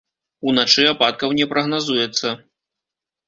Уначы ападкаў на прагназуецца.